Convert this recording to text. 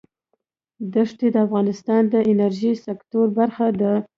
دښتې د افغانستان د انرژۍ سکتور برخه ده.